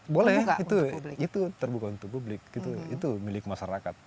boleh itu terbuka untuk publik itu milik masyarakat